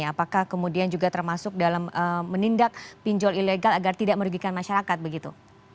apakah kemudian juga termasuk dalam menindak pinjol ilegal agar tidak merugikan masyarakat begitu